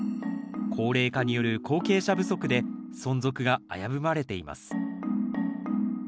高齢化による後継者不足で存続が危ぶまれています。